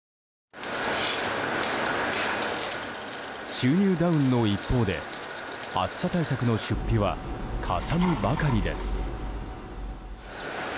収入ダウンの一方で暑さ対策の出費はかさむばかりです。